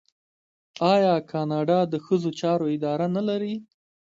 آیا کاناډا د ښځو چارو اداره نلري؟